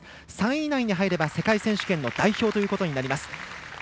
３位以内に入れば世界選手権の代表ということになります。